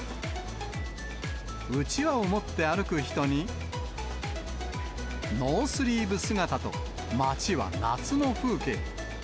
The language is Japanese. うちわを持って歩く人に、ノースリーブ姿と、街は夏の風景。